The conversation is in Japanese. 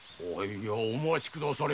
お待ちくだされ。